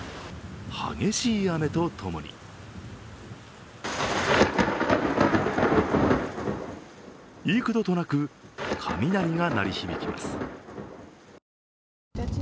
激しい雨と共に幾度となく雷が鳴り響きます。